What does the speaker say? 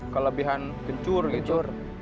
kelebihan kencur gitu